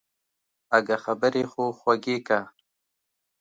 اگه خبرې خو خوږې که.